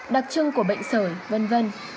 đặc trưng của bệnh sở v v